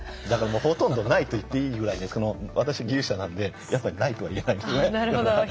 だからもうほとんどないと言っていいぐらいですけど私技術者なんでやっぱりないとは言えないので。